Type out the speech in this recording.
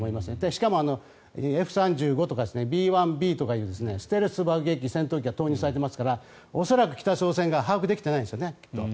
しかも、Ｆ３５とかＢ１Ｂというステルス戦闘機爆撃機が投入されていますから恐らく北朝鮮が把握できていないんですねきっと。